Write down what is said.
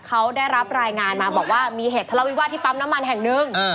เขาได้รับรายงานมาบอกว่ามีเหตุทะเลาวิวาสที่ปั๊มน้ำมันแห่งหนึ่ง